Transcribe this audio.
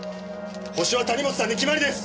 ホシは谷本さんに決まりです！